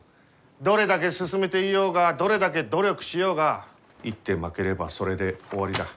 どれだけ進めていようがどれだけ努力しようが一手負ければそれで終わりだ。